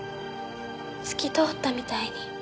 透き通ったみたいに。